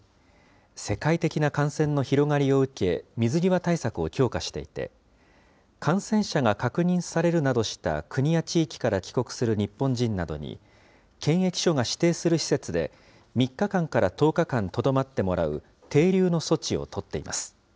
世界的な感染の広がりを受け、水際対策を強化していて、感染者が確認されるなどした国や地域から帰国する日本人などに、検疫所が指定する施設で、３日間から１０日間とどまってもらう、停留の措置を取っています。